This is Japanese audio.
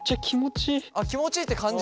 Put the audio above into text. あっ気持ちいいって感じる？